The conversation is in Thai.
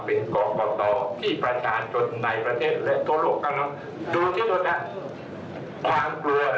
ผมไม่กลัวท่านจะเสื่อม